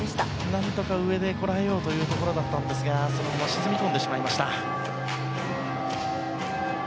何とか上でこらえようというところだったんですがそのまま沈み込んでしまいました。